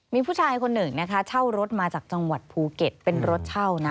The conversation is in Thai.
มีผู้ชายคนหนึ่งนะคะเช่ารถมาจากจังหวัดภูเก็ตเป็นรถเช่านะ